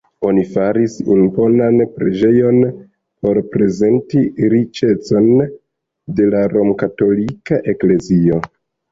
Oni faris imponan preĝejon por prezenti riĉecon de la romkatolika eklezio.